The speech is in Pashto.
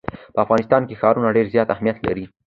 په افغانستان کې ښارونه ډېر زیات اهمیت لري.